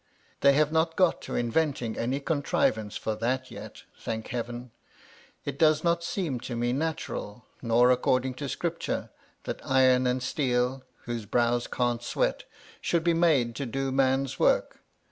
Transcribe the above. They have not got to inventing any contrivance for that yet, thank Heaven ! It does not seem to me natural, nor according to Scripture, that iron and steel (whose brows can't sweat) should be made to do man's work.